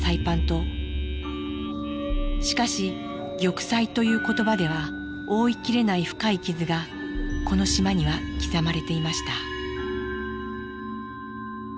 しかし「玉砕」という言葉では覆いきれない深い傷がこの島には刻まれていました。